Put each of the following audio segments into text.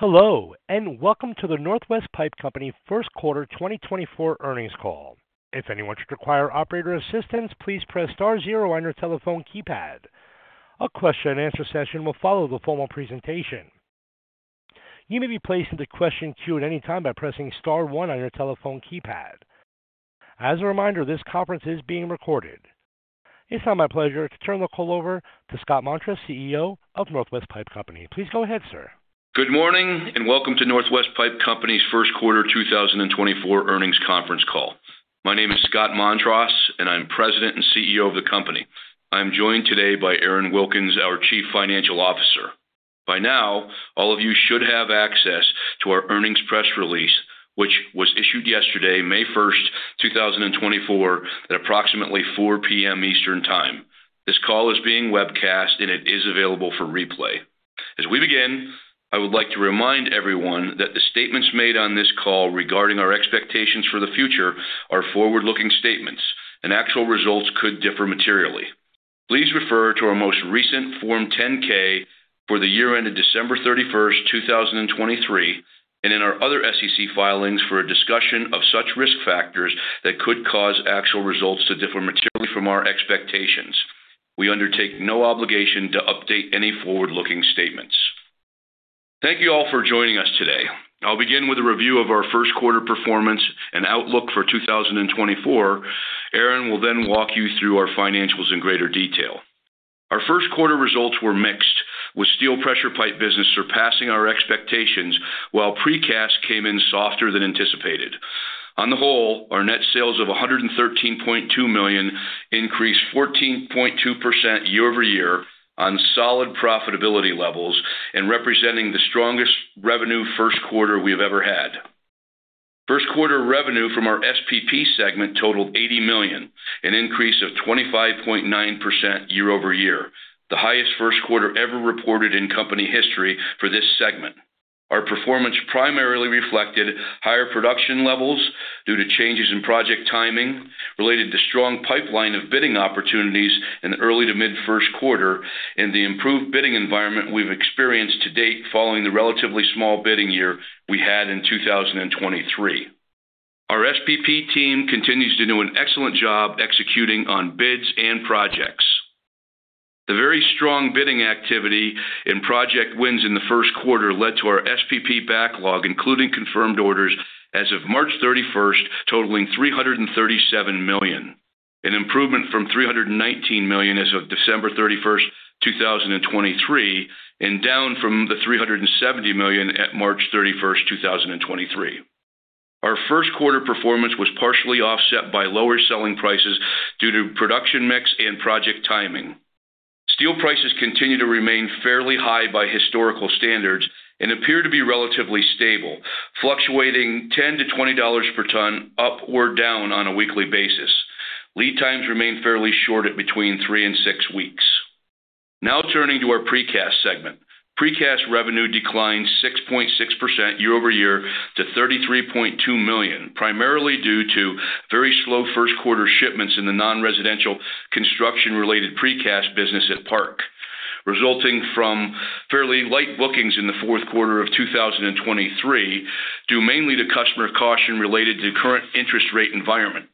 Hello and welcome to the Northwest Pipe Company first quarter 2024 earnings call. If anyone should require operator assistance, please press star zero on your telephone keypad. A question and answer session will follow the formal presentation. You may be placed into question queue at any time by pressing star one on your telephone keypad. As a reminder, this conference is being recorded. It's now my pleasure to turn the call over to Scott Montross, CEO of Northwest Pipe Company. Please go ahead, sir. Good morning and welcome to Northwest Pipe Company's first quarter 2024 earnings conference call. My name is Scott Montross, and I'm President and CEO of the company. I'm joined today by Aaron Wilkins, our Chief Financial Officer. By now, all of you should have access to our earnings press release, which was issued yesterday, May 1st, 2024, at approximately 4:00 P.M. Eastern Time. This call is being webcast, and it is available for replay. As we begin, I would like to remind everyone that the statements made on this call regarding our expectations for the future are forward-looking statements, and actual results could differ materially. Please refer to our most recent Form 10-K for the year ended December 31st, 2023, and in our other SEC filings for a discussion of such risk factors that could cause actual results to differ materially from our expectations. We undertake no obligation to update any forward-looking statements. Thank you all for joining us today. I'll begin with a review of our first quarter performance and outlook for 2024. Aaron will then walk you through our financials in greater detail. Our first quarter results were mixed, with steel pressure pipe business surpassing our expectations while precast came in softer than anticipated. On the whole, our net sales of $113.2 million increased 14.2% year-over-year on solid profitability levels and representing the strongest revenue first quarter we have ever had. First quarter revenue from our SPP segment totaled $80 million, an increase of 25.9% year-over-year, the highest first quarter ever reported in company history for this segment. Our performance primarily reflected higher production levels due to changes in project timing related to strong pipeline of bidding opportunities in the early to mid-first quarter and the improved bidding environment we've experienced to date following the relatively small bidding year we had in 2023. Our SPP team continues to do an excellent job executing on bids and projects. The very strong bidding activity in project wins in the first quarter led to our SPP backlog, including confirmed orders as of March 31st, totaling $337 million, an improvement from $319 million as of December 31st, 2023, and down from the $370 million at March 31st, 2023. Our first quarter performance was partially offset by lower selling prices due to production mix and project timing. Steel prices continue to remain fairly high by historical standards and appear to be relatively stable, fluctuating $10-$20 per ton up or down on a weekly basis. Lead times remain fairly short at between three and six weeks. Now turning to our precast segment. Precast revenue declined 6.6% year-over-year to $33.2 million, primarily due to very slow first quarter shipments in the non-residential construction-related precast business at Park, resulting from fairly light bookings in the fourth quarter of 2023 due mainly to customer caution related to current interest rate environment.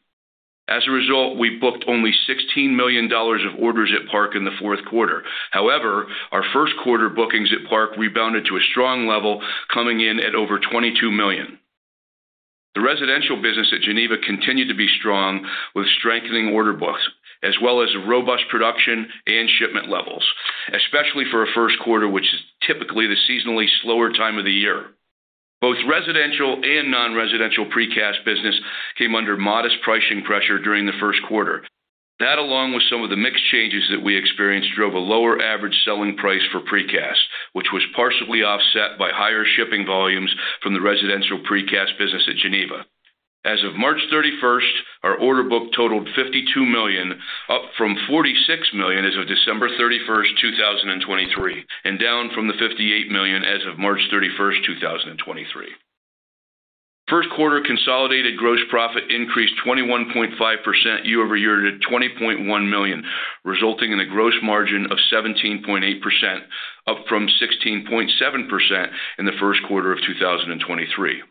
As a result, we booked only $16 million of orders at Park in the fourth quarter. However, our first quarter bookings at Park rebounded to a strong level, coming in at over $22 million. The residential business at Geneva continued to be strong, with strengthening order books as well as robust production and shipment levels, especially for a first quarter, which is typically the seasonally slower time of the year. Both residential and non-residential precast business came under modest pricing pressure during the first quarter. That, along with some of the mixed changes that we experienced, drove a lower average selling price for precast, which was partially offset by higher shipping volumes from the residential precast business at Geneva. As of March 31st, our order book totaled $52 million, up from $46 million as of December 31st, 2023, and down from the $58 million as of March 31st, 2023. First quarter consolidated gross profit increased 21.5% year-over-year to $20.1 million, resulting in a gross margin of 17.8%, up from 16.7% in the first quarter of 2023.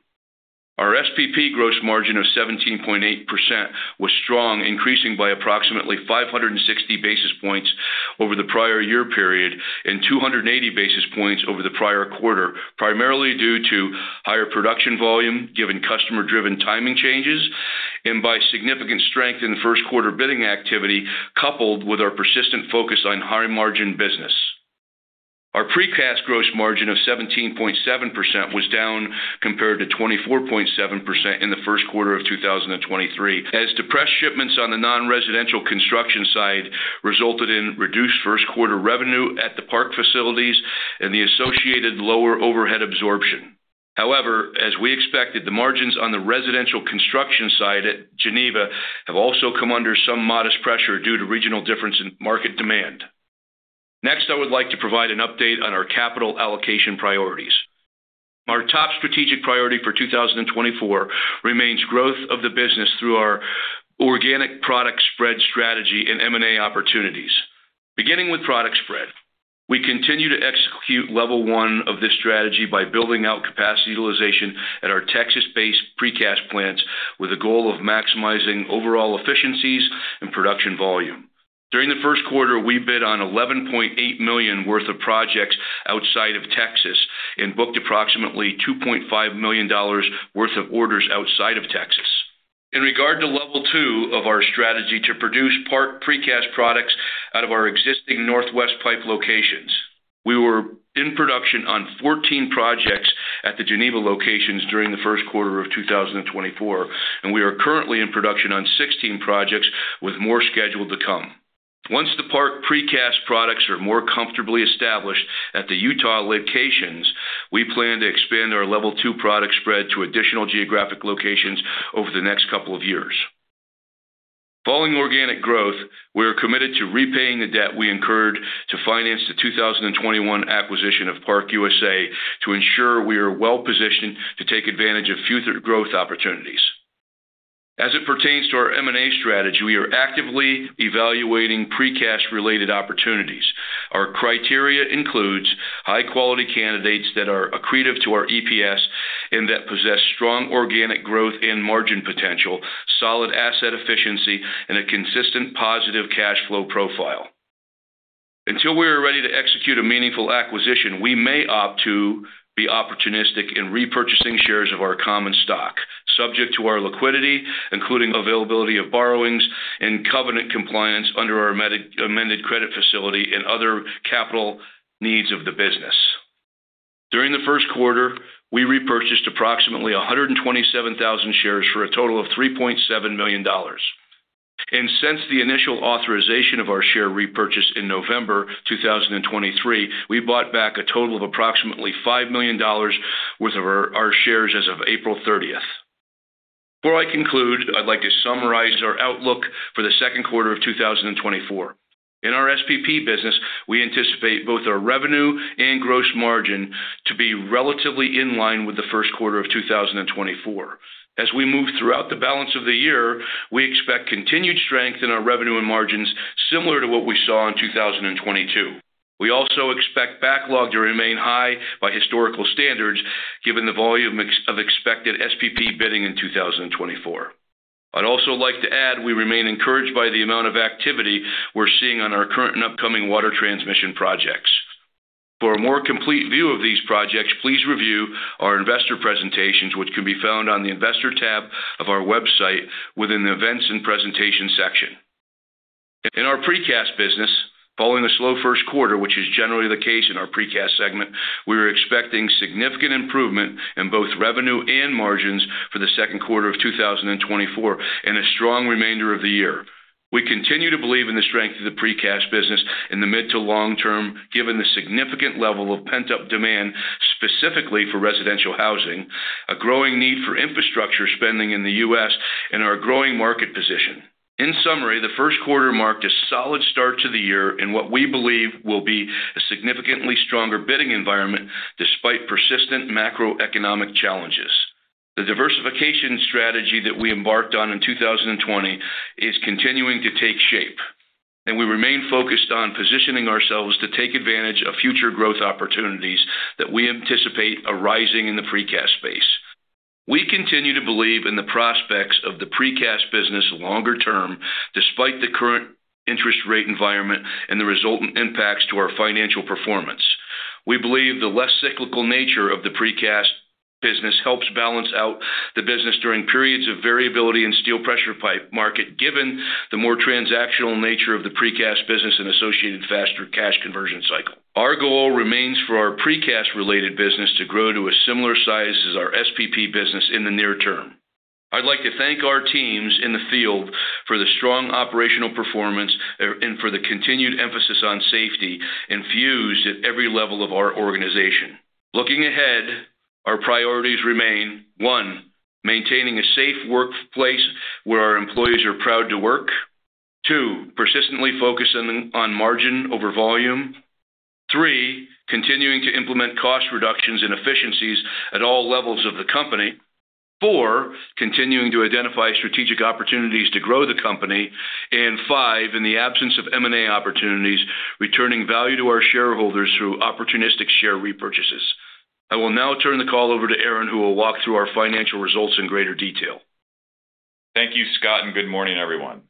Our SPP gross margin of 17.8% was strong, increasing by approximately 560 basis points over the prior year period and 280 basis points over the prior quarter, primarily due to higher production volume given customer-driven timing changes and by significant strength in first quarter bidding activity coupled with our persistent focus on high margin business. Our precast gross margin of 17.7% was down compared to 24.7% in the first quarter of 2023, as depressed shipments on the non-residential construction side resulted in reduced first quarter revenue at the Park facilities and the associated lower overhead absorption. However, as we expected, the margins on the residential construction side at Geneva have also come under some modest pressure due to regional difference in market demand. Next, I would like to provide an update on our capital allocation priorities. Our top strategic priority for 2024 remains growth of the business through our organic product spread strategy and M&A opportunities. Beginning with product spread, we continue to execute level one of this strategy by building out capacity utilization at our Texas-based precast plants with the goal of maximizing overall efficiencies and production volume. During the first quarter, we bid on $11.8 million worth of projects outside of Texas and booked approximately $2.5 million worth of orders outside of Texas. In regard to level two of our strategy to produce Park precast products out of our existing Northwest Pipe locations, we were in production on 14 projects at the Geneva locations during the first quarter of 2024, and we are currently in production on 16 projects with more scheduled to come. Once the Park precast products are more comfortably established at the Utah locations, we plan to expand our level two product spread to additional geographic locations over the next couple of years. Following organic growth, we are committed to repaying the debt we incurred to finance the 2021 acquisition of Park USA to ensure we are well positioned to take advantage of future growth opportunities. As it pertains to our M&A strategy, we are actively evaluating precast-related opportunities. Our criteria includes high-quality candidates that are accretive to our EPS and that possess strong organic growth and margin potential, solid asset efficiency, and a consistent positive cash flow profile. Until we are ready to execute a meaningful acquisition, we may opt to be opportunistic in repurchasing shares of our common stock, subject to our liquidity, including availability of borrowings and covenant compliance under our amended credit facility and other capital needs of the business. During the first quarter, we repurchased approximately 127,000 shares for a total of $3.7 million. Since the initial authorization of our share repurchase in November 2023, we bought back a total of approximately $5 million worth of our shares as of April 30th. Before I conclude, I'd like to summarize our outlook for the second quarter of 2024. In our SPP business, we anticipate both our revenue and gross margin to be relatively in line with the first quarter of 2024. As we move throughout the balance of the year, we expect continued strength in our revenue and margins similar to what we saw in 2022. We also expect backlog to remain high by historical standards given the volume of expected SPP bidding in 2024. I'd also like to add we remain encouraged by the amount of activity we're seeing on our current and upcoming water transmission projects. For a more complete view of these projects, please review our investor presentations, which can be found on the Investor tab of our website within the Events and Presentations section. In our precast business, following a slow first quarter, which is generally the case in our precast segment, we are expecting significant improvement in both revenue and margins for the second quarter of 2024 and a strong remainder of the year. We continue to believe in the strength of the precast business in the mid- to long-term, given the significant level of pent-up demand specifically for residential housing, a growing need for infrastructure spending in the U.S., and our growing market position. In summary, the first quarter marked a solid start to the year in what we believe will be a significantly stronger bidding environment despite persistent macroeconomic challenges. The diversification strategy that we embarked on in 2020 is continuing to take shape, and we remain focused on positioning ourselves to take advantage of future growth opportunities that we anticipate arising in the precast space. We continue to believe in the prospects of the precast business longer term, despite the current interest rate environment and the resultant impacts to our financial performance. We believe the less cyclical nature of the precast business helps balance out the business during periods of variability in steel pressure pipe market, given the more transactional nature of the precast business and associated faster cash conversion cycle. Our goal remains for our precast related business to grow to a similar size as our SPP business in the near term. I'd like to thank our teams in the field for the strong operational performance and for the continued emphasis on safety infused at every level of our organization. Looking ahead, our priorities remain: One, maintaining a safe workplace where our employees are proud to work. Two, persistently focusing on margin over volume. Three, continuing to implement cost reductions and efficiencies at all levels of the company. Four, continuing to identify strategic opportunities to grow the company. And five, in the absence of M&A opportunities, returning value to our shareholders through opportunistic share repurchases. I will now turn the call over to Aaron, who will walk through our financial results in greater detail. Thank you, Scott, and good morning, everyone.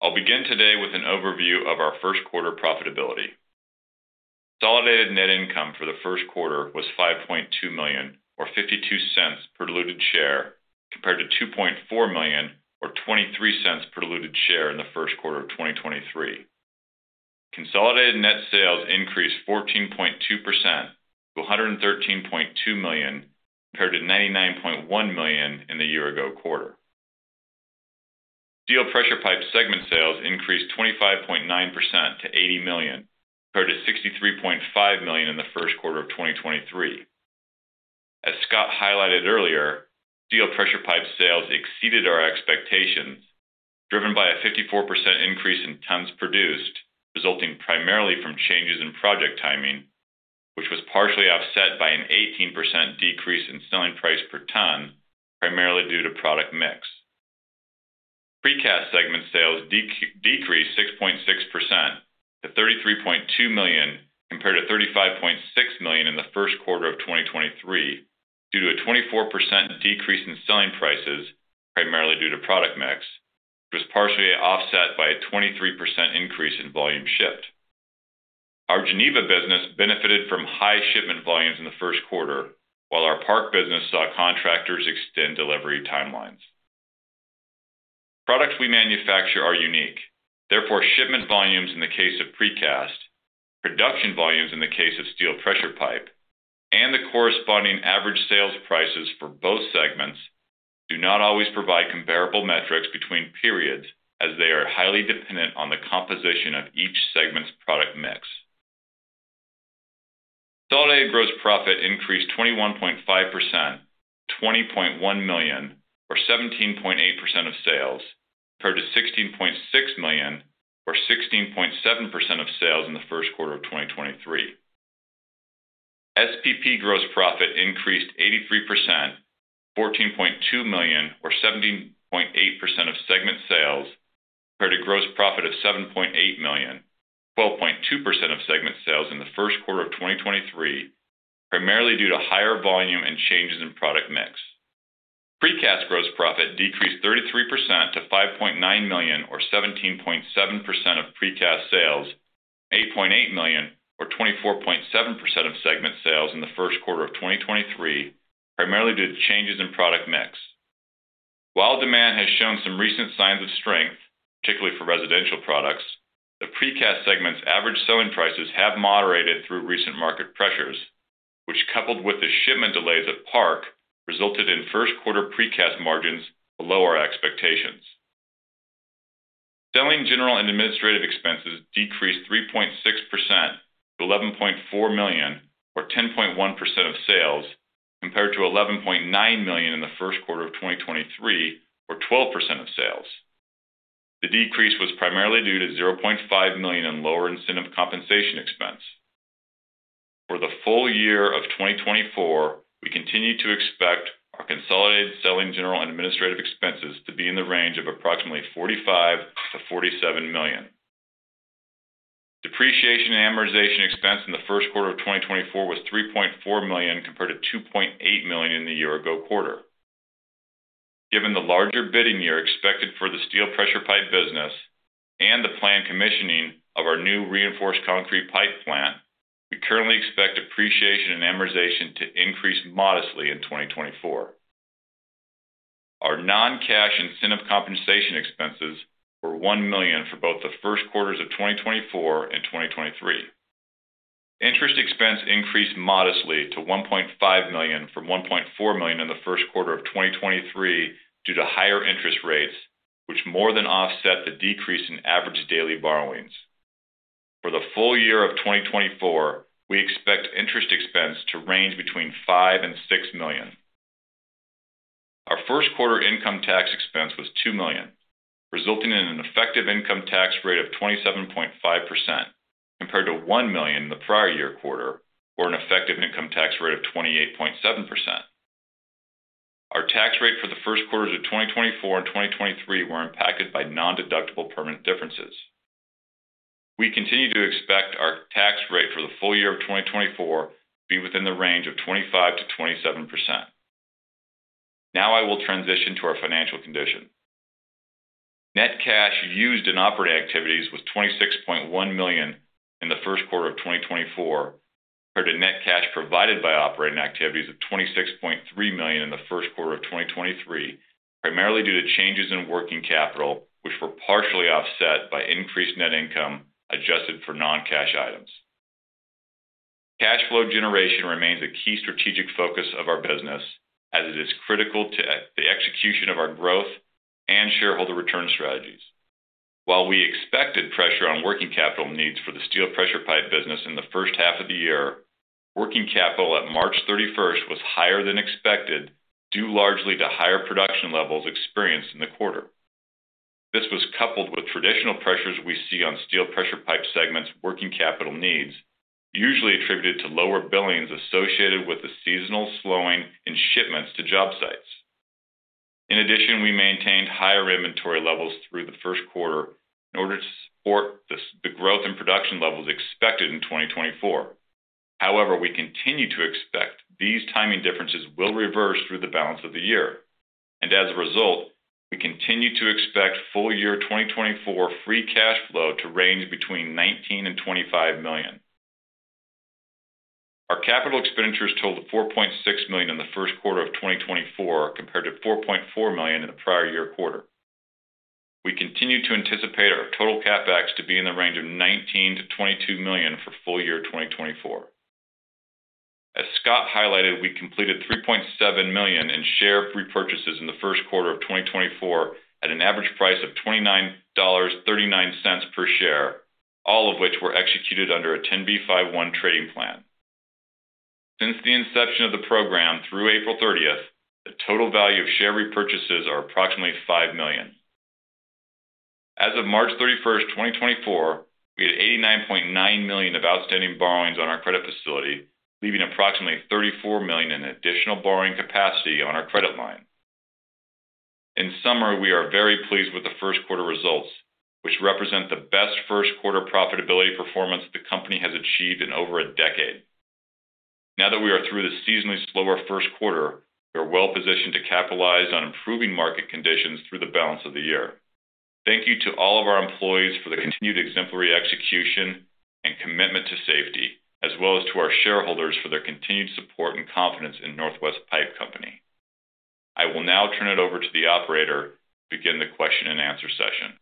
I'll begin today with an overview of our first quarter profitability. Consolidated net income for the first quarter was $5.2 million or $0.52 per diluted share compared to $2.4 million or $0.23 per diluted share in the first quarter of 2023. Consolidated net sales increased 14.2% to $113.2 million compared to $99.1 million in the year-ago quarter. Steel pressure pipe segment sales increased 25.9% to $80 million compared to $63.5 million in the first quarter of 2023. As Scott highlighted earlier, steel pressure pipe sales exceeded our expectations, driven by a 54% increase in tons produced, resulting primarily from changes in project timing, which was partially offset by an 18% decrease in selling price per ton, primarily due to product mix. Precast segment sales decreased 6.6% to $33.2 million compared to $35.6 million in the first quarter of 2023 due to a 24% decrease in selling prices, primarily due to product mix, which was partially offset by a 23% increase in volume shipped. Our Geneva business benefited from high shipment volumes in the first quarter, while our Park business saw contractors extend delivery timelines. Products we manufacture are unique. Therefore, shipment volumes in the case of Precast, production volumes in the case of Steel Pressure Pipe, and the corresponding average sales prices for both segments do not always provide comparable metrics between periods, as they are highly dependent on the composition of each segment's product mix. Consolidated gross profit increased 21.5% to $20.1 million or 17.8% of sales compared to $16.6 million or 16.7% of sales in the first quarter of 2023. SPP gross profit increased 83% to $14.2 million or 17.8% of segment sales compared to gross profit of $7.8 million, 12.2% of segment sales in the first quarter of 2023, primarily due to higher volume and changes in product mix. Precast gross profit decreased 33% to $5.9 million or 17.7% of Precast sales, $8.8 million or 24.7% of segment sales in the first quarter of 2023, primarily due to changes in product mix. While demand has shown some recent signs of strength, particularly for residential products, the Precast segment's average selling prices have moderated through recent market pressures, which, coupled with the shipment delays at Park, resulted in first quarter Precast margins below our expectations. Selling, general, and administrative expenses decreased 3.6% to $11.4 million or 10.1% of sales compared to $11.9 million in the first quarter of 2023 or 12% of sales. The decrease was primarily due to $0.5 million in lower incentive compensation expense. For the full year of 2024, we continue to expect our consolidated selling, general, and administrative expenses to be in the range of approximately $45 million-$47 million. Depreciation and amortization expense in the first quarter of 2024 was $3.4 million compared to $2.8 million in the year-ago quarter. Given the larger bidding year expected for the steel pressure pipe business and the planned commissioning of our new reinforced concrete pipe plant, we currently expect depreciation and amortization to increase modestly in 2024. Our non-cash incentive compensation expenses were $1 million for both the first quarters of 2024 and 2023. Interest expense increased modestly to $1.5 million from $1.4 million in the first quarter of 2023 due to higher interest rates, which more than offset the decrease in average daily borrowings. For the full year of 2024, we expect interest expense to range between $5 million and $6 million. Our first quarter income tax expense was $2 million, resulting in an effective income tax rate of 27.5% compared to $1 million in the prior year quarter or an effective income tax rate of 28.7%. Our tax rate for the first quarters of 2024 and 2023 were impacted by non-deductible permanent differences. We continue to expect our tax rate for the full year of 2024 to be within the range of 25%-27%. Now I will transition to our financial condition. Net cash used in operating activities was $26.1 million in the first quarter of 2024 compared to net cash provided by operating activities of $26.3 million in the first quarter of 2023, primarily due to changes in working capital, which were partially offset by increased net income adjusted for non-cash items. Cash flow generation remains a key strategic focus of our business, as it is critical to the execution of our growth and shareholder return strategies. While we expected pressure on working capital needs for the steel pressure pipe business in the first half of the year, working capital at March 31st was higher than expected due largely to higher production levels experienced in the quarter. This was coupled with traditional pressures we see on steel pressure pipe segment's working capital needs, usually attributed to lower billings associated with the seasonal slowing in shipments to job sites. In addition, we maintained higher inventory levels through the first quarter in order to support the growth and production levels expected in 2024. However, we continue to expect these timing differences will reverse through the balance of the year, and as a result, we continue to expect full year 2024 free cash flow to range between $19 million-$25 million. Our capital expenditures totaled $4.6 million in the first quarter of 2024 compared to $4.4 million in the prior year quarter. We continue to anticipate our total CapEx to be in the range of $19 million-$22 million for full year 2024. As Scott highlighted, we completed $3.7 million in share repurchases in the first quarter of 2024 at an average price of $29.39 per share, all of which were executed under a 10b5-1 trading plan. Since the inception of the program through April 30th, the total value of share repurchases is approximately $5 million. As of March 31st, 2024, we had $89.9 million of outstanding borrowings on our credit facility, leaving approximately $34 million in additional borrowing capacity on our credit line. In summary, we are very pleased with the first quarter results, which represent the best first quarter profitability performance the company has achieved in over a decade. Now that we are through the seasonally slower first quarter, we are well positioned to capitalize on improving market conditions through the balance of the year. Thank you to all of our employees for the continued exemplary execution and commitment to safety, as well as to our shareholders for their continued support and confidence in Northwest Pipe Company. I will now turn it over to the operator to begin the question and answer session.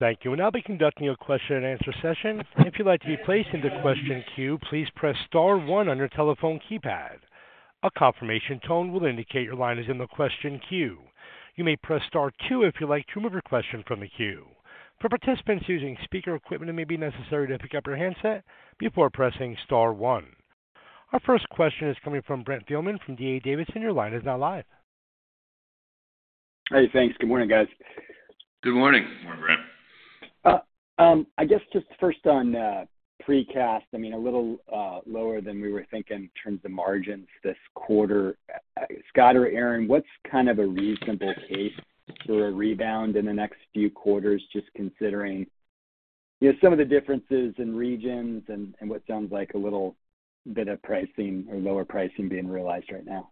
Thank you. We'll now be conducting a question and answer session. If you'd like to be placed into question queue, please press star one on your telephone keypad. A confirmation tone will indicate your line is in the question queue. You may press star two if you'd like to remove your question from the queue. For participants using speaker equipment, it may be necessary to pick up your handset before pressing star one. Our first question is coming from Brent Thielman from D.A. Davidson, and your line is now live. Hey, thanks. Good morning, guys. Good morning. Morning, Brent. I guess just first on precast, I mean, a little lower than we were thinking in terms of margins this quarter. Scott or Aaron, what's kind of a reasonable case for a rebound in the next few quarters, just considering some of the differences in regions and what sounds like a little bit of pricing or lower pricing being realized right now?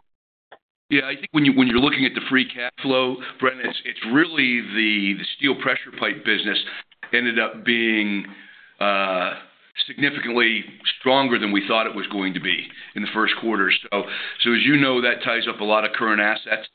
Yeah, I think when you're looking at the free cash flow, Brent, it's really the Steel pressure pipe business ended up being significantly stronger than we thought it was going to be in the first quarter. So as you know, that ties up a lot of current assets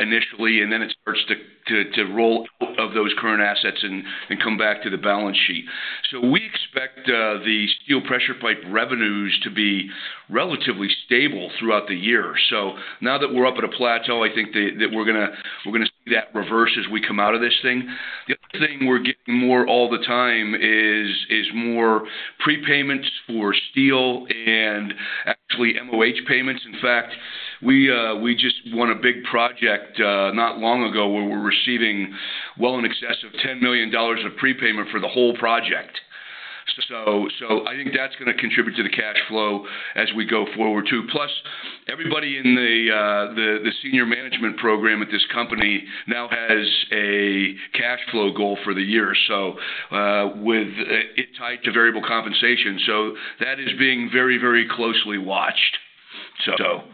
initially, and then it starts to roll out of those current assets and come back to the balance sheet. So we expect the Steel pressure pipe revenues to be relatively stable throughout the year. So now that we're up at a plateau, I think that we're going to see that reverse as we come out of this thing. The other thing we're getting more all the time is more prepayments for steel and actually MOH payments. In fact, we just won a big project not long ago where we're receiving well in excess of $10 million of prepayment for the whole project. I think that's going to contribute to the cash flow as we go forward too. Plus, everybody in the senior management program at this company now has a cash flow goal for the year, so it tied to variable compensation. So that is being very, very closely watched.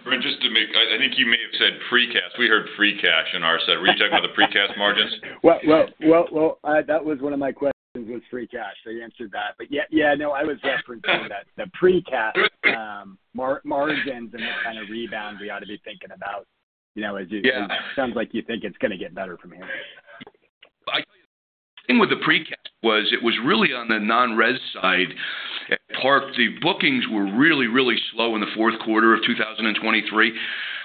Brent, just to make I think you may have said precast. We heard free cash in our set. Were you talking about the precast margins? Well, well, well, well, that was one of my questions, was free cash. So you answered that. But yeah, no, I was referencing the precast margins and what kind of rebound we ought to be thinking about, as it sounds like you think it's going to get better from here. I tell you, the thing with the precast was it was really on the non-res side. At Park, the bookings were really, really slow in the fourth quarter of 2023.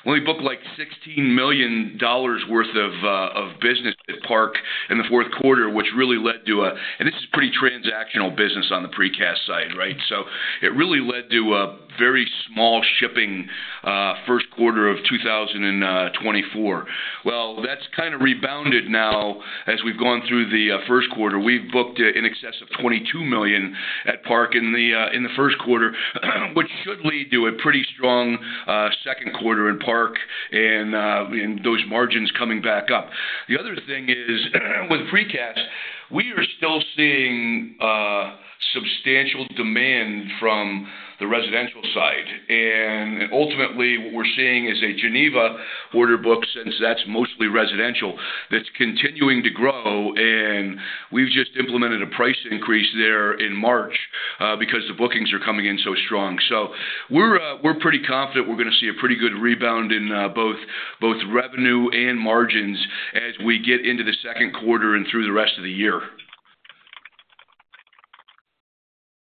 We only booked like $16 million worth of business at Park in the fourth quarter, which really led to a and this is pretty transactional business on the precast side, right? So it really led to a very small shipping first quarter of 2024. Well, that's kind of rebounded now as we've gone through the first quarter. We've booked in excess of $22 million at Park in the first quarter, which should lead to a pretty strong second quarter in Park and those margins coming back up. The other thing is, with precast, we are still seeing substantial demand from the residential side. Ultimately, what we're seeing is a Geneva order book since that's mostly residential that's continuing to grow. We've just implemented a price increase there in March because the bookings are coming in so strong. So we're pretty confident we're going to see a pretty good rebound in both revenue and margins as we get into the second quarter and through the rest of the year.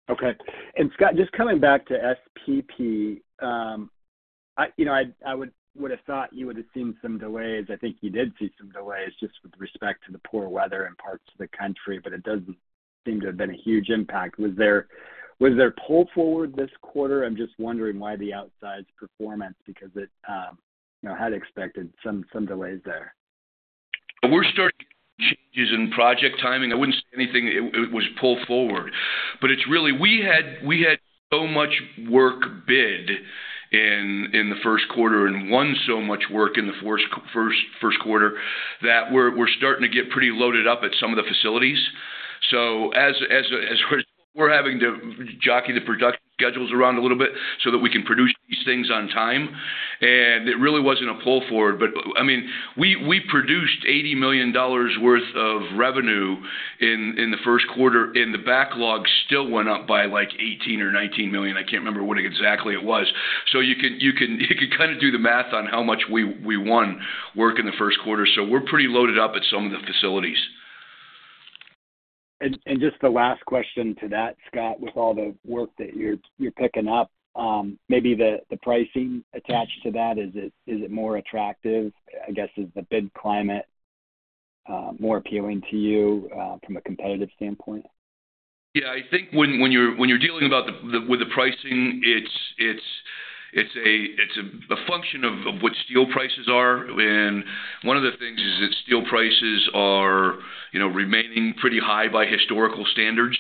Okay. And Scott, just coming back to SPP, I would have thought you would have seen some delays. I think you did see some delays just with respect to the poor weather in parts of the country, but it doesn't seem to have been a huge impact. Was there pull forward this quarter? I'm just wondering why the outsized performance, because it had expected some delays there. We're starting to get changes in project timing. I wouldn't say anything was pulled forward. But it's really we had so much work bid in the first quarter and won so much work in the first quarter that we're starting to get pretty loaded up at some of the facilities. So as we're having to jockey the production schedules around a little bit so that we can produce these things on time, and it really wasn't a pulled forward. But I mean, we produced $80 million worth of revenue in the first quarter. And the backlog still went up by like $18 million or $19 million. I can't remember what exactly it was. So you can kind of do the math on how much we won work in the first quarter. So we're pretty loaded up at some of the facilities. Just the last question to that, Scott, with all the work that you're picking up, maybe the pricing attached to that, is it more attractive? I guess, is the bid climate more appealing to you from a competitive standpoint? Yeah, I think when you're dealing with the pricing, it's a function of what steel prices are. And one of the things is that steel prices are remaining pretty high by historical standards.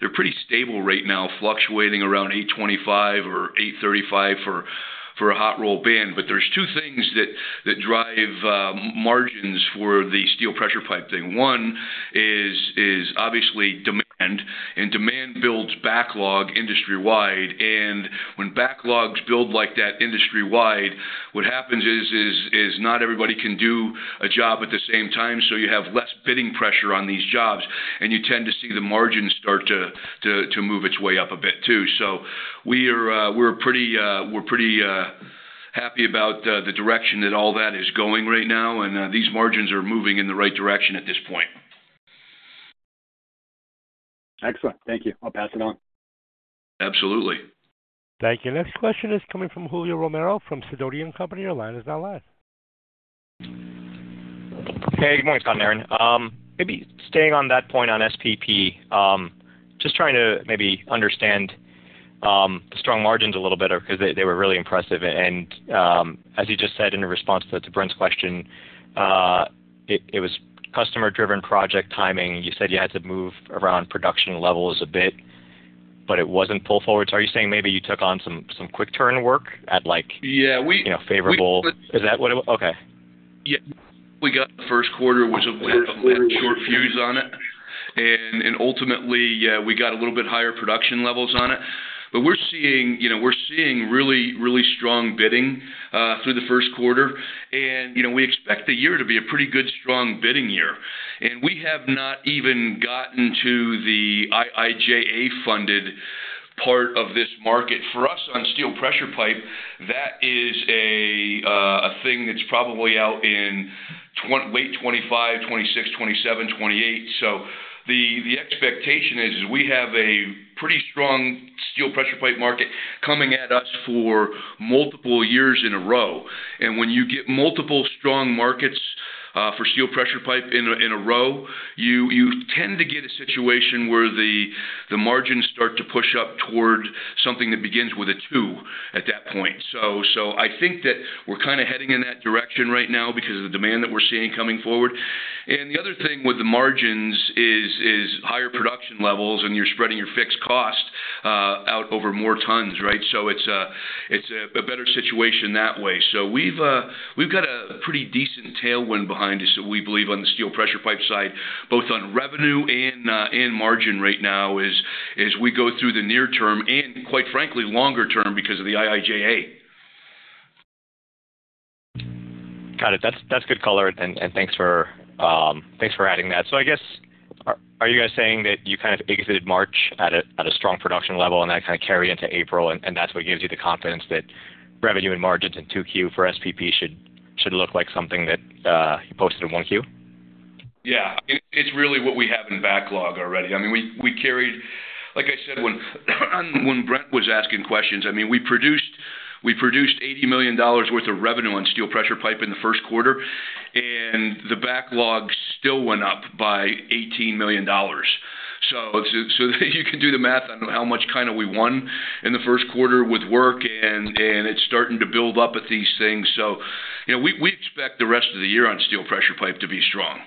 They're pretty stable right now, fluctuating around $825 or $835 for a hot-rolled band. But there's two things that drive margins for the steel pressure pipe thing. One is obviously demand, and demand builds backlog industry-wide. And when backlogs build like that industry-wide, what happens is not everybody can do a job at the same time. So you have less bidding pressure on these jobs, and you tend to see the margin start to move its way up a bit too. So we're pretty happy about the direction that all that is going right now, and these margins are moving in the right direction at this point. Excellent. Thank you. I'll pass it on. Absolutely. Thank you. Next question is coming from Julio Romero from Sidoti & Company. Your line is now live. Hey, good morning, Scott and Aaron. Maybe staying on that point on SPP, just trying to maybe understand the strong margins a little bit because they were really impressive. As you just said in response to Brent's question, it was customer-driven project timing. You said you had to move around production levels a bit, but it wasn't pull forward. So are you saying maybe you took on some quick-turn work at favorable? Yeah. Is that what it was? Okay. Yeah. We got the first quarter, was a short fuse on it. And ultimately, we got a little bit higher production levels on it. But we're seeing really, really strong bidding through the first quarter. And we expect the year to be a pretty good, strong bidding year. And we have not even gotten to the IIJA-funded part of this market. For us on steel pressure pipe, that is a thing that's probably out in late 2025, 2026, 2027, 2028. So the expectation is we have a pretty strong steel pressure pipe market coming at us for multiple years in a row. And when you get multiple strong markets for steel pressure pipe in a row, you tend to get a situation where the margins start to push up toward something that begins with a 2 at that point. I think that we're kind of heading in that direction right now because of the demand that we're seeing coming forward. The other thing with the margins is higher production levels, and you're spreading your fixed cost out over more tons, right? It's a better situation that way. We've got a pretty decent tailwind behind us, we believe, on the steel pressure pipe side, both on revenue and margin right now, as we go through the near term and, quite frankly, longer term because of the IIJA. Got it. That's good color, and thanks for adding that. So I guess, are you guys saying that you kind of exited March at a strong production level, and that kind of carried into April, and that's what gives you the confidence that revenue and margins in 2Q for SPP should look like something that you posted in 1Q? Yeah. I mean, it's really what we have in backlog already. I mean, we carried, like I said when Brent was asking questions, I mean, we produced $80 million worth of revenue on steel pressure pipe in the first quarter, and the backlog still went up by $18 million. So you can do the math on how much kind of we won in the first quarter with work, and it's starting to build up at these things. So we expect the rest of the year on steel pressure pipe to be strong.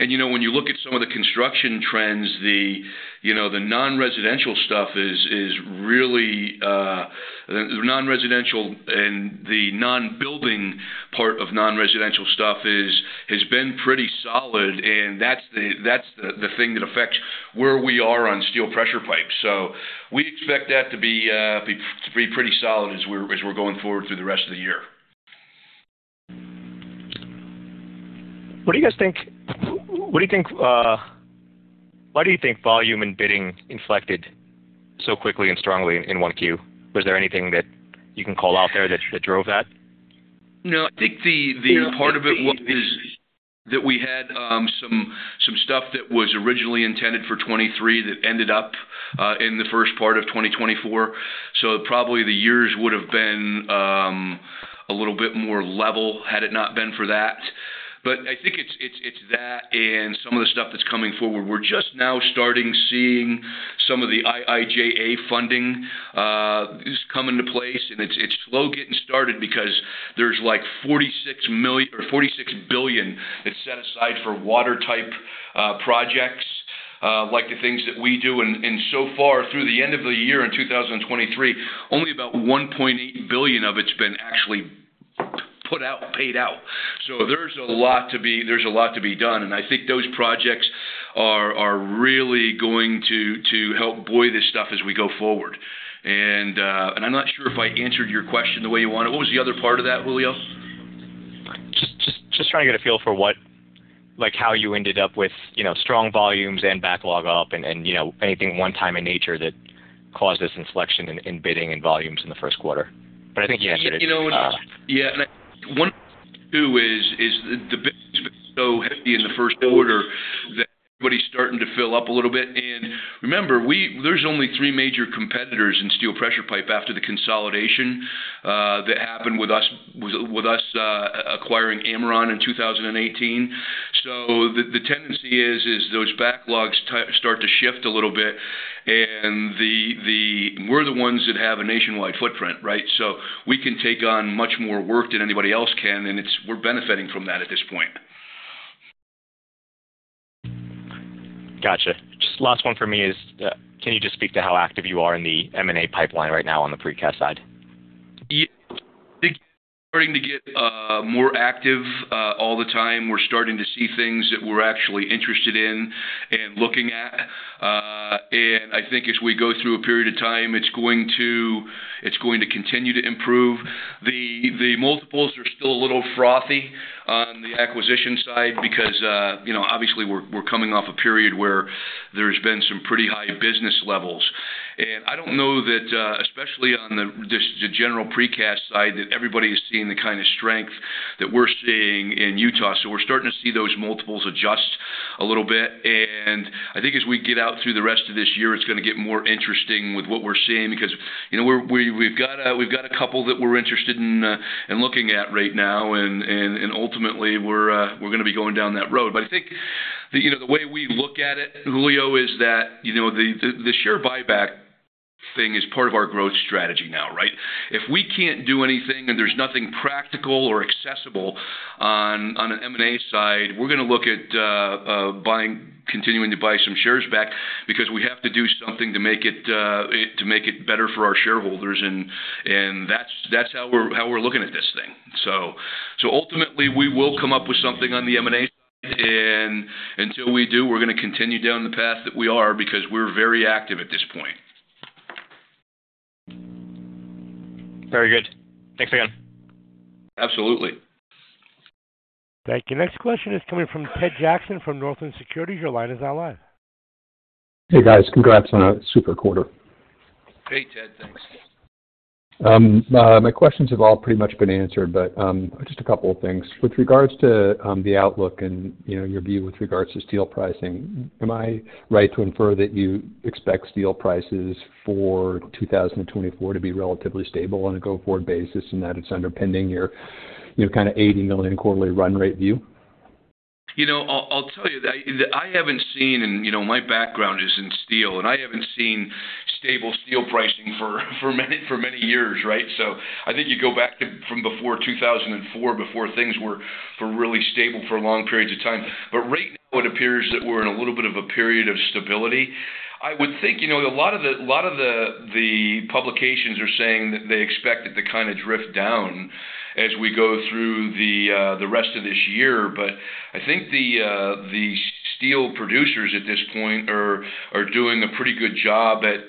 And when you look at some of the construction trends, the non-residential stuff is really the non-residential and the non-building part of non-residential stuff has been pretty solid. And that's the thing that affects where we are on steel pressure pipe. We expect that to be pretty solid as we're going forward through the rest of the year. What do you guys think? What do you think? Why do you think volume and bidding inflected so quickly and strongly in 1Q? Was there anything that you can call out there that drove that? No, I think the part of it was that we had some stuff that was originally intended for 2023 that ended up in the first part of 2024. So probably the years would have been a little bit more level had it not been for that. But I think it's that and some of the stuff that's coming forward. We're just now starting seeing some of the IIJA funding coming to place, and it's slow getting started because there's like $46 million or $46 billion that's set aside for water-type projects, like the things that we do. And so far, through the end of the year in 2023, only about $1.8 billion of it's been actually put out, paid out. So there's a lot to be done. And I think those projects are really going to help buoy this stuff as we go forward. I'm not sure if I answered your question the way you wanted. What was the other part of that, Julio? Just trying to get a feel for how you ended up with strong volumes and backlog up and anything one-time in nature that caused this inflection in bidding and volumes in the first quarter. But I think you answered it. Yeah. Yeah. And I think one of the things too is the bid has been so heavy in the first quarter that everybody's starting to fill up a little bit. And remember, there's only three major competitors in steel pressure pipe after the consolidation that happened with us acquiring Ameron in 2018. So the tendency is those backlogs start to shift a little bit. And we're the ones that have a nationwide footprint, right? So we can take on much more work than anybody else can, and we're benefiting from that at this point. Gotcha. Just last one for me is, can you just speak to how active you are in the M&A pipeline right now on the precast side? Yeah. I think we're starting to get more active all the time. We're starting to see things that we're actually interested in and looking at. And I think as we go through a period of time, it's going to continue to improve. The multiples are still a little frothy on the acquisition side because, obviously, we're coming off a period where there's been some pretty high business levels. And I don't know that, especially on the general precast side, that everybody is seeing the kind of strength that we're seeing in Utah. So we're starting to see those multiples adjust a little bit. And I think as we get out through the rest of this year, it's going to get more interesting with what we're seeing because we've got a couple that we're interested in looking at right now. And ultimately, we're going to be going down that road. But I think the way we look at it, Julio, is that the share buyback thing is part of our growth strategy now, right? If we can't do anything and there's nothing practical or accessible on an M&A side, we're going to look at continuing to buy some shares back because we have to do something to make it better for our shareholders. And that's how we're looking at this thing. So ultimately, we will come up with something on the M&A side. And until we do, we're going to continue down the path that we are because we're very active at this point. Very good. Thanks again. Absolutely. Thank you. Next question is coming from Ted Jackson from Northland Securities. Your line is now live. Hey, guys. Congrats on a super quarter. Hey, Ted. Thanks. My questions have all pretty much been answered, but just a couple of things. With regards to the outlook and your view with regards to steel pricing, am I right to infer that you expect steel prices for 2024 to be relatively stable on a go-forward basis and that it's underpinning your kind of $80 million quarterly run rate view? I'll tell you that I haven't seen and my background is in steel, and I haven't seen stable steel pricing for many years, right? So I think you go back from before 2004, before things were really stable for long periods of time. But right now, it appears that we're in a little bit of a period of stability. I would think a lot of the publications are saying that they expect it to kind of drift down as we go through the rest of this year. But I think the steel producers at this point are doing a pretty good job at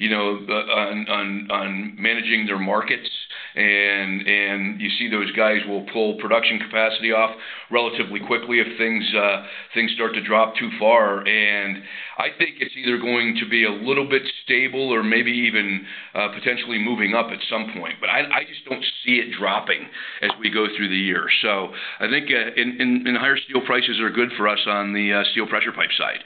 managing their markets. And you see those guys will pull production capacity off relatively quickly if things start to drop too far. And I think it's either going to be a little bit stable or maybe even potentially moving up at some point. But I just don't see it dropping as we go through the year. So I think and higher steel prices are good for us on the steel pressure pipe side.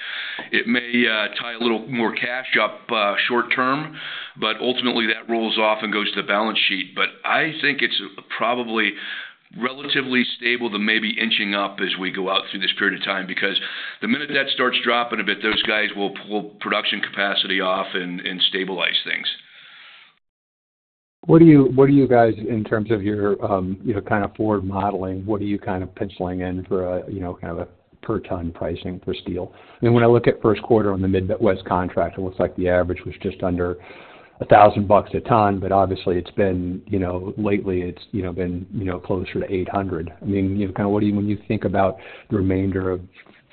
It may tie a little more cash up short term, but ultimately, that rolls off and goes to the balance sheet. But I think it's probably relatively stable to maybe inching up as we go out through this period of time because the minute that starts dropping a bit, those guys will pull production capacity off and stabilize things. What do you guys in terms of your kind of forward modeling, what are you kind of penciling in for kind of a per-ton pricing for steel? I mean, when I look at first quarter on the Midwest contract, it looks like the average was just under $1,000 a ton. But obviously, lately, it's been closer to $800. I mean, kind of when you think about the remainder of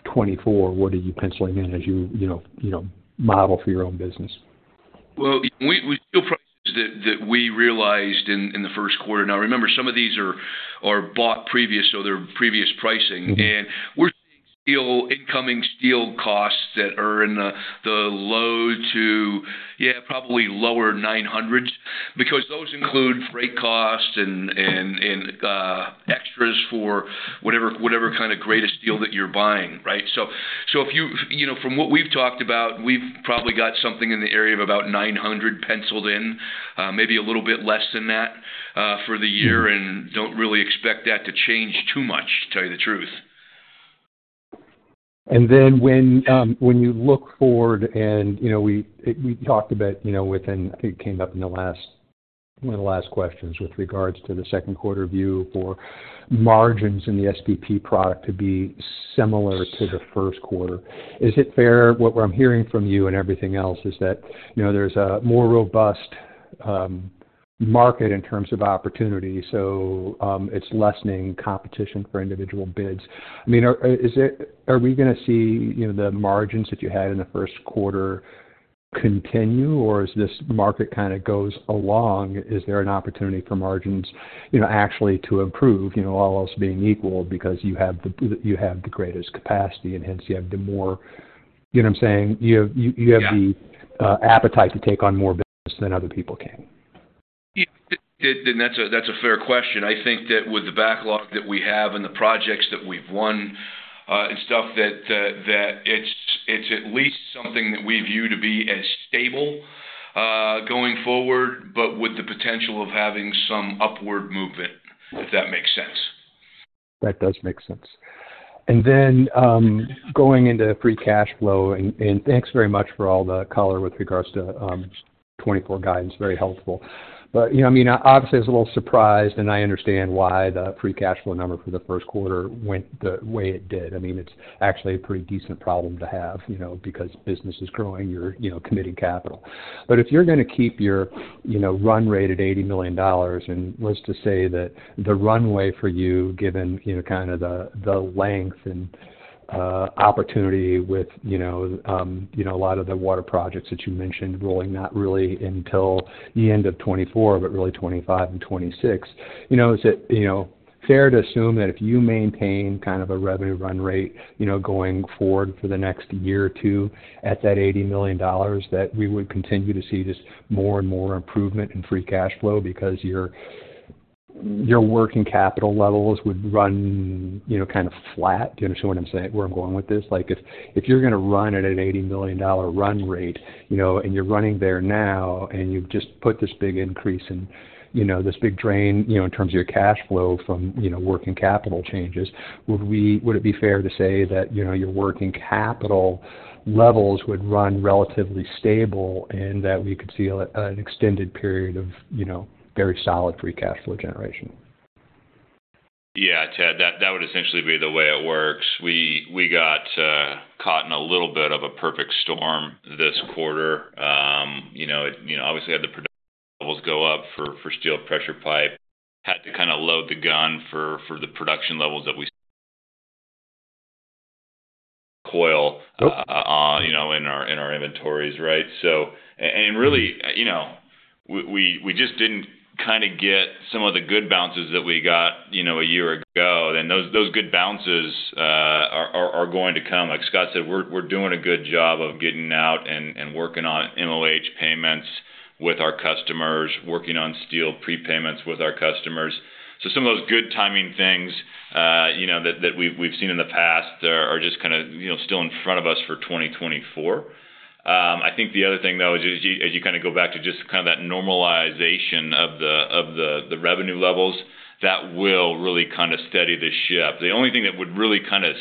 2024, what are you penciling in as you model for your own business? Well, with steel prices that we realized in the first quarter now, remember, some of these are bought previous, so they're previous pricing. And we're seeing incoming steel costs that are in the low to, yeah, probably lower $900 because those include freight costs and extras for whatever kind of grade of steel that you're buying, right? So from what we've talked about, we've probably got something in the area of about $900 penciled in, maybe a little bit less than that for the year, and don't really expect that to change too much, to tell you the truth. Then when you look forward and we talked about within I think it came up in one of the last questions with regards to the second quarter view for margins in the SPP product to be similar to the first quarter. Is it fair what I'm hearing from you and everything else is that there's a more robust market in terms of opportunity, so it's lessening competition for individual bids? I mean, are we going to see the margins that you had in the first quarter continue, or as this market kind of goes along, is there an opportunity for margins actually to improve all else being equal because you have the greatest capacity, and hence, you have the more you know what I'm saying? You have the appetite to take on more business than other people can? Yeah. And that's a fair question. I think that with the backlog that we have and the projects that we've won and stuff, that it's at least something that we view to be as stable going forward but with the potential of having some upward movement, if that makes sense. That does make sense. And then going into free cash flow and thanks very much for all the color with regards to 2024 guidance. Very helpful. But I mean, obviously, I was a little surprised, and I understand why the free cash flow number for the first quarter went the way it did. I mean, it's actually a pretty decent problem to have because business is growing. You're committing capital. If you're going to keep your run rate at $80 million and let's just say that the runway for you, given kind of the length and opportunity with a lot of the water projects that you mentioned rolling not really until the end of 2024 but really 2025 and 2026, is it fair to assume that if you maintain kind of a revenue run rate going forward for the next year or two at that $80 million, that we would continue to see just more and more improvement in free cash flow because your working capital levels would run kind of flat? Do you understand what I'm saying where I'm going with this? If you're going to run it at an $80 million run rate, and you're running there now, and you've just put this big increase and this big drain in terms of your cash flow from working capital changes, would it be fair to say that your working capital levels would run relatively stable and that we could see an extended period of very solid free cash flow generation? Yeah, Ted. That would essentially be the way it works. We got caught in a little bit of a perfect storm this quarter. Obviously, had the production levels go up for steel pressure pipe, had to kind of load the gun for the production levels that we coil in our inventories, right? And really, we just didn't kind of get some of the good bounces that we got a year ago. And those good bounces are going to come. Like Scott said, we're doing a good job of getting out and working on MOH payments with our customers, working on steel prepayments with our customers. So some of those good timing things that we've seen in the past are just kind of still in front of us for 2024. I think the other thing, though, is as you kind of go back to just kind of that normalization of the revenue levels, that will really kind of steady the ship. The only thing that would really kind of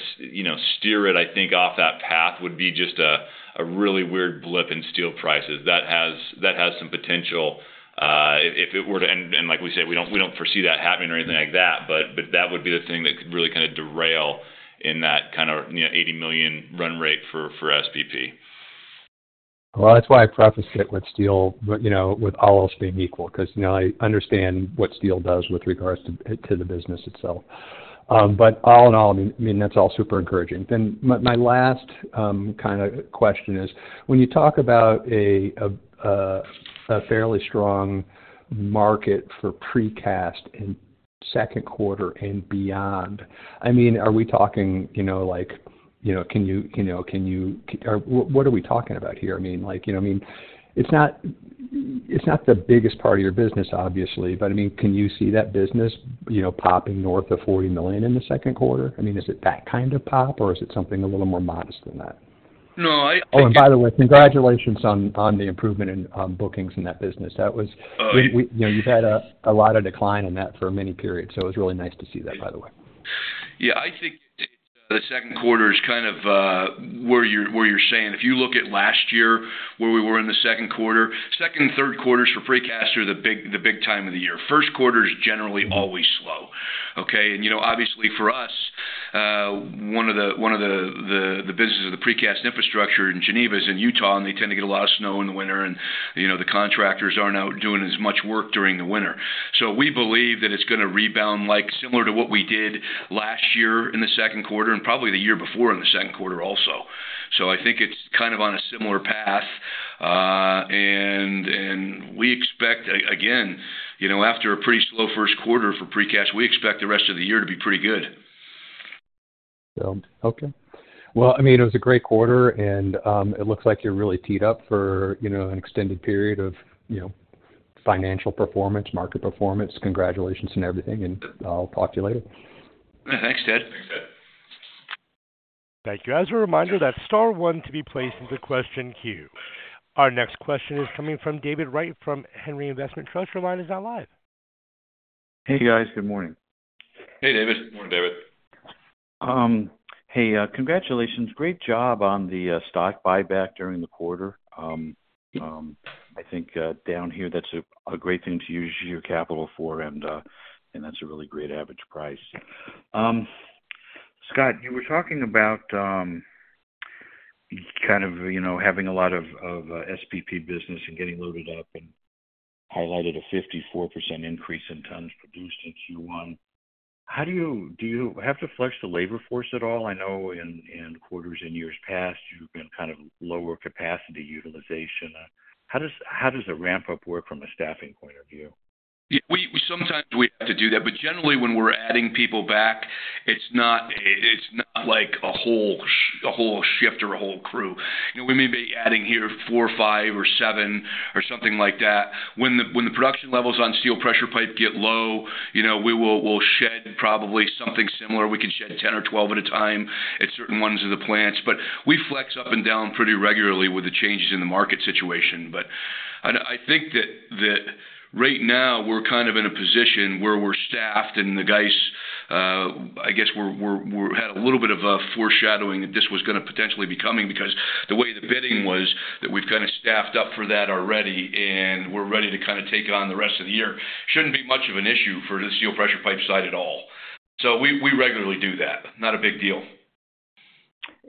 steer it, I think, off that path would be just a really weird blip in steel prices. That has some potential if it were to and like we said, we don't foresee that happening or anything like that. But that would be the thing that could really kind of derail in that kind of $80 million run rate for SPP. Well, that's why I preface it with steel with all else being equal because I understand what steel does with regards to the business itself. But all in all, I mean, that's all super encouraging. Then my last kind of question is, when you talk about a fairly strong market for precast in second quarter and beyond, I mean, are we talking like can you what are we talking about here? I mean, you know what I mean? It's not the biggest part of your business, obviously. But I mean, can you see that business popping north of $40 million in the second quarter? I mean, is it that kind of pop, or is it something a little more modest than that? No, I think. Oh, and by the way, congratulations on the improvement in bookings in that business. You've had a lot of decline in that for many periods. So it was really nice to see that, by the way. Yeah. I think the second quarter is kind of where you're saying. If you look at last year, where we were in the second quarter, second and third quarters for precast are the big time of the year. First quarter is generally always slow, okay? And obviously, for us, one of the businesses of the precast infrastructure in Geneva is in Utah, and they tend to get a lot of snow in the winter, and the contractors aren't out doing as much work during the winter. So we believe that it's going to rebound similar to what we did last year in the second quarter and probably the year before in the second quarter also. So I think it's kind of on a similar path. And we expect, again, after a pretty slow first quarter for precast, we expect the rest of the year to be pretty good. Sounds okay. Well, I mean, it was a great quarter, and it looks like you're really teed up for an extended period of financial performance, market performance. Congratulations and everything. And I'll talk to you later. Yeah. Thanks, Ted. Thanks, Ted. Thank you. As a reminder, that's star one to be placed in the question queue. Our next question is coming from David Wright from Henry Investment Trust. Your line is now live. Hey, guys. Good morning. Hey, David. Good morning, David. Hey, congratulations. Great job on the stock buyback during the quarter. I think down here, that's a great thing to use your capital for, and that's a really great average price. Scott, you were talking about kind of having a lot of SPP business and getting loaded up and highlighted a 54% increase in tons produced in Q1. Do you have to flex the labor force at all? I know in quarters and years past, you've been kind of lower capacity utilization. How does a ramp-up work from a staffing point of view? Sometimes we have to do that. But generally, when we're adding people back, it's not like a whole shift or a whole crew. We may be adding here four or five or seven or something like that. When the production levels on steel pressure pipe get low, we'll shed probably something similar. We can shed 10 or 12 at a time at certain ones of the plants. But we flex up and down pretty regularly with the changes in the market situation. But I think that right now, we're kind of in a position where we're staffed, and the guys I guess we had a little bit of foreshadowing that this was going to potentially be coming because the way the bidding was, that we've kind of staffed up for that already, and we're ready to kind of take on the rest of the year. Shouldn't be much of an issue for the steel pressure pipe side at all. So we regularly do that. Not a big deal.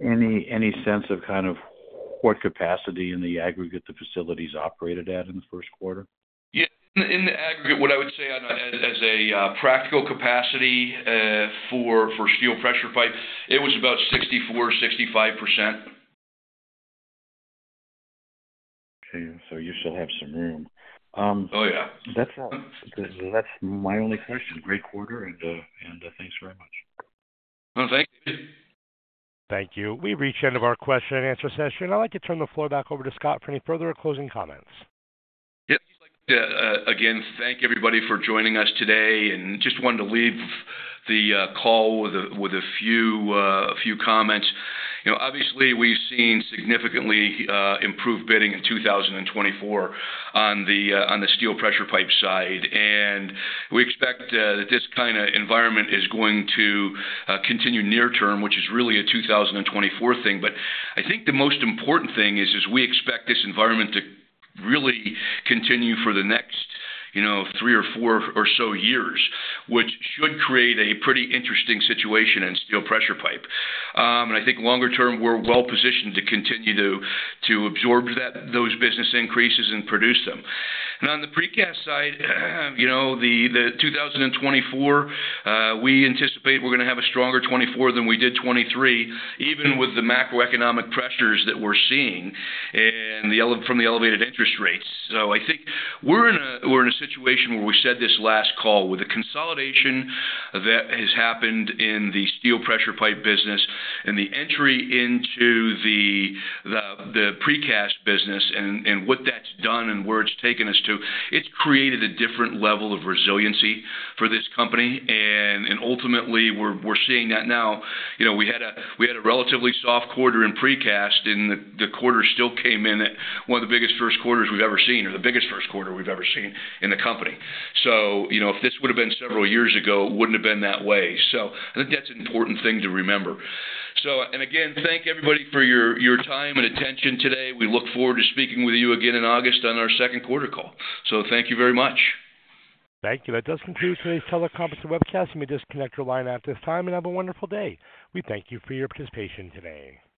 Any sense of kind of what capacity in the aggregate the facility's operated at in the first quarter? Yeah. In the aggregate, what I would say on that as a practical capacity for steel pressure pipe, it was about 64%-65%. Okay. So you still have some room. Oh, yeah. That's my only question. Great quarter, and thanks very much. Oh, thanks, David. Thank you. We've reached the end of our question and answer session. I'd like to turn the floor back over to Scott for any further or closing comments. Yep. Again, thank everybody for joining us today. And just wanted to leave the call with a few comments. Obviously, we've seen significantly improved bidding in 2024 on the steel pressure pipe side. And we expect that this kind of environment is going to continue near term, which is really a 2024 thing. But I think the most important thing is we expect this environment to really continue for the next three or four or so years, which should create a pretty interesting situation in steel pressure pipe. And I think longer term, we're well positioned to continue to absorb those business increases and produce them. And on the precast side, 2024, we anticipate we're going to have a stronger 2024 than we did 2023, even with the macroeconomic pressures that we're seeing from the elevated interest rates. So I think we're in a situation where we said this last call with the consolidation that has happened in the steel pressure pipe business and the entry into the precast business and what that's done and where it's taken us to. It's created a different level of resiliency for this company. And ultimately, we're seeing that now. We had a relatively soft quarter in precast, and the quarter still came in one of the biggest first quarters we've ever seen or the biggest first quarter we've ever seen in the company. So if this would have been several years ago, it wouldn't have been that way. So I think that's an important thing to remember. And again, thank everybody for your time and attention today. We look forward to speaking with you again in August on our second quarter call. So thank you very much. Thank you. That does conclude today's teleconference and webcast. You may disconnect your line at this time, and have a wonderful day. We thank you for your participation today.